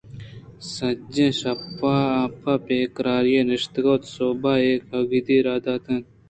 سجّہیں شپ ءَ آ پہ بے قراری نشتگ ءُسُہب ءَ اے کاگدےراہ دات اَنت